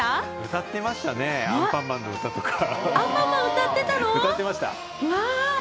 歌ってましたね、アンパンマンの歌とか歌ってました。